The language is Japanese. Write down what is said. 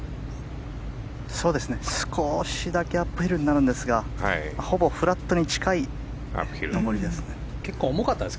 少しだけアップヒルになるんですがほぼフラットに近い上りです。